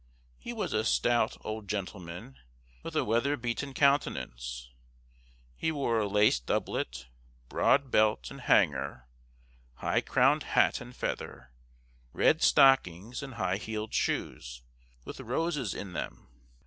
He was a stout old gentleman, with a weather beaten countenance; he wore a laced doublet, broad belt and hanger, high crowned hat and feather, red stockings, and high heeled shoes, with roses in them.